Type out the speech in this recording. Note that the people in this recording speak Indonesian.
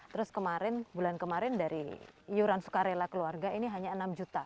terus kemarin bulan kemarin dari iuran sukarela keluarga ini hanya enam juta